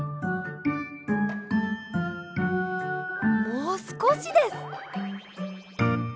もうすこしです。